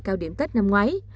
cao điểm tết năm ngoái